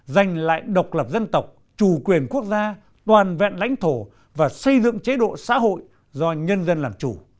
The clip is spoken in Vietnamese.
giành lại độc lập dân tộc chủ quyền quốc gia toàn vẹn lãnh thổ và xây dựng chế độ xã hội do nhân dân làm chủ